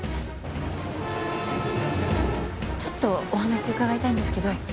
ちょっとお話伺いたいんですけど。